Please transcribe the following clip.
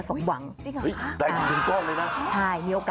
สวัสดีค่ะ